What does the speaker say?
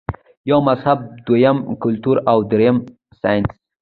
يو مذهب ، دويم کلتور او دريم سائنس -